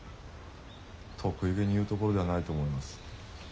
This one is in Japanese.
得意げに言うところではないと思います。